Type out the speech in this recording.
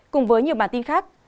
cùng với nhiều bản tin khác